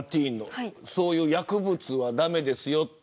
そういう薬物は駄目ですよって